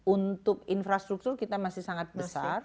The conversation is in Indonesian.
untuk infrastruktur kita masih sangat besar